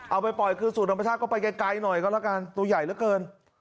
เอาไปปล่อยคืนสู่ธรรมชาติก็ไปไกลหน่อยก็แล้วกันตัวใหญ่เหลือเกิน